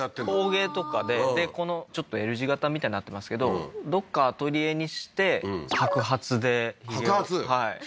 陶芸とかででこのちょっとＬ字型みたいになってますけどどっかアトリエにして白髪で髭を白髪？